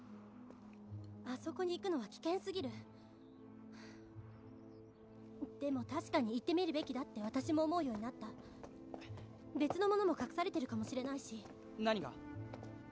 あそこに行くのは危険すぎるでも確かに行ってみるべきだって私も思うようになった別のものも隠されてるかもしれないし何が？